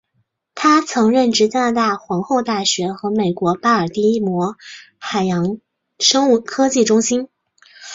他曾任职加拿大皇后大学和美国巴尔的摩海洋生物科技中心。